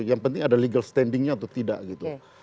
yang penting ada legal standingnya atau tidak gitu